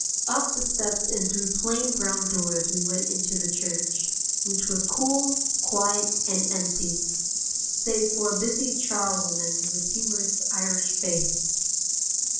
Up the steps and through plain brown doors we went into the church, which was cool, quiet, and empty, save for a busy charwoman with humorous Irish face.